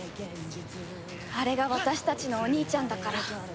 あれが私たちのお兄ちゃんだから。